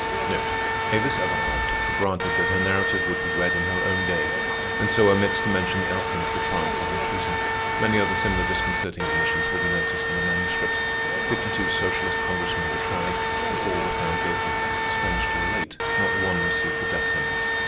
Avis Everhard took for granted that her narrative would be read in her own day, and so omits to mention the outcome of the trial for high treason. Many other similar disconcerting omissions will be noticed in the Manuscript. Fifty two socialist Congressmen were tried, and all were found guilty. Strange to relate, not one received the death sentence.